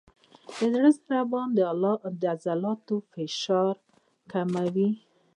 د زړه ضربان او عضلاتو فشار کموي،